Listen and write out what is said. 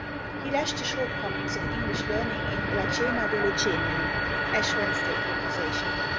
He lashed the shortcomings of English learning in 'La Cena delle Ceneri' (Ash Wednesday Conversation).